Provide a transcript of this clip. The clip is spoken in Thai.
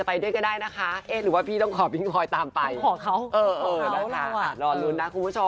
ไปได้นะครับท่าน